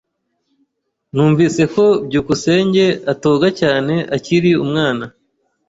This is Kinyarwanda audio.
Numvise ko byukusenge atoga cyane akiri umwana.